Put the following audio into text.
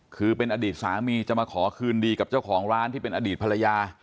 คือเป็นอดีตสามีจะมาขอคืนดีกับเจ้าของร้านที่เป็นอดีตภรรยา